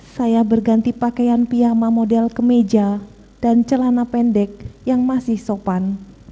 saya berganti pakaian piyama model kemeja dan celana pendek yang masih sopan